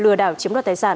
lừa đảo chiếm đoạt tài sản